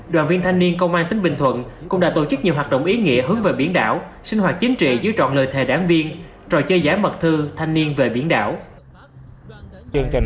đoàn viên thanh niên công an tỉnh bình thuận cũng đã tổ chức nhiều hoạt động ý nghĩa hướng về biển đảo